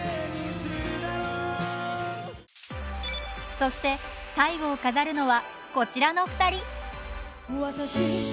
そして最後を飾るのはこちらの２人。